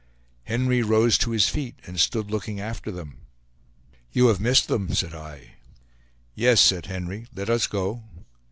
Henry rose to his feet, and stood looking after them. "You have missed them," said I. "Yes," said Henry; "let us go."